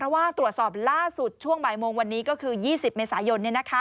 ว่าตรวจสอบล่าสุดช่วงบ่ายโมงวันนี้ก็คือ๒๐เมษายน